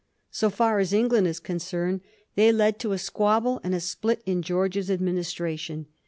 So far as England is concerned, they led to a squabble and a split in George's administration.